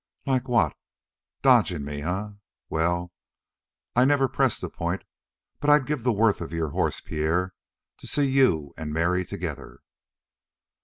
"Like what? Dodging me, eh? Well, I never press the point, but I'd give the worth of your horse, Pierre, to see you and Mary together."